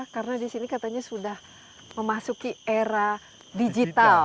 karena di sini katanya sudah memasuki era digital